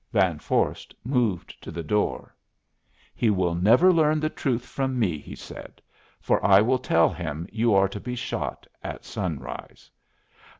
Van Vorst moved to the door. "He will never learn the truth from me," he said. "For I will tell him you are to be shot at sunrise."